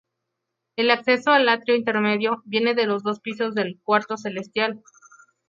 El acceso al atrio intermedio viene de los dos pisos del "cuarto celestial".